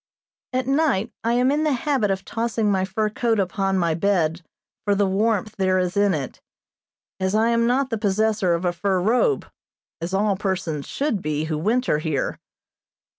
At night I am in the habit of tossing my fur coat upon my bed for the warmth there is in it, as I am not the possessor of a fur robe, as all persons should be who winter here.